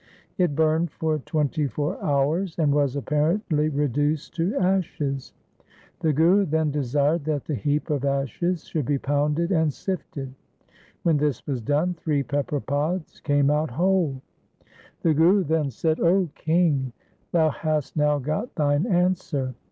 It burned for twenty four hours and was apparently reduced to ashes. The Guru then desired that the heap of ashes should be pounded and sifted. When this was done three pepper pods came out whole. The Guru then said, ' 0 king, thou hast now got thine answer.